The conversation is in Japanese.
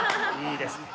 いいですね。